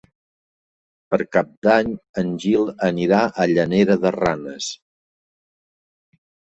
Per Cap d'Any en Gil anirà a Llanera de Ranes.